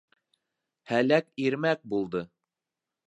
Һәләк ирмәк булды.